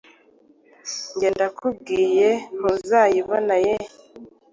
njye ndakubwiye ntuzayibona ye